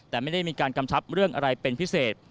แต่ไม่ได้มีการกำชับเรื่องอะไรเป็นพิเศษ